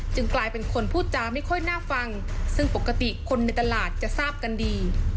กลายเป็นคนพูดจาไม่ค่อยน่าฟังซึ่งปกติคนในตลาดจะทราบกันดี